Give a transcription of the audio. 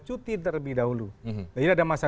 cuti terlebih dahulu jadi ada masa